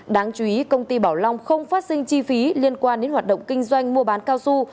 đáng chú ý công ty bảo long không phát sinh chi phí liên quan đến hoạt động kinh doanh mua bán cao su